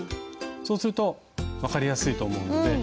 そうすると分かりやすいと思うので。